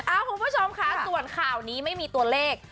คุณผู้ชมค่ะส่วนข่าวนี้ไม่มีตัวเลข